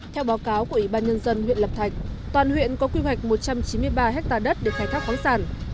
theo báo cáo của ủy ban nhân dân huyện lập thạch toàn huyện có quy hoạch một trăm chín mươi ba ha đất để khai thác khoáng sản